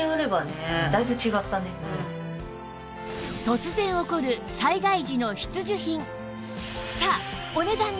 突然起こる災害時の必需品